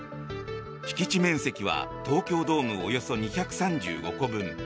敷地面積は東京ドームおよそ２３５個分。